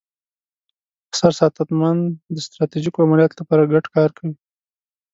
سرساتنمن د ستراتیژیکو عملیاتو لپاره ګډ کار کوي.